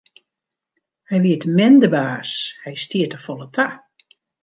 Hy wie te min de baas, hy stie te folle ta.